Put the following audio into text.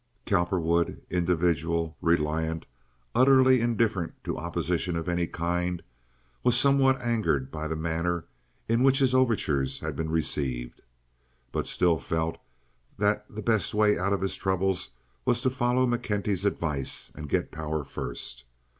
Cowperwood, individual, reliant, utterly indifferent to opposition of any kind, was somewhat angered by the manner in which his overtures had been received, but still felt that the best way out of his troubles was to follow McKenty's advice and get power first.